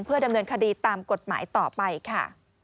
ดำเนินคดีตามกฎหมายต่อไปค่ะ